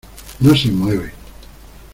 no se mueve.